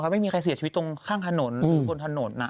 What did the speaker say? ไม่มีใครเสียชีวิตตรงข้างถนนหรือบนถนน